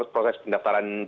proses pendaftaran dpd